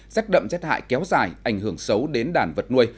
rách đậm rách hại kéo dài ảnh hưởng xấu đến đàn vật nuôi